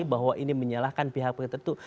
bahwa ini menyalahkan pihak pihak tertentu